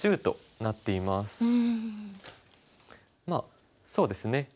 まあそうですね。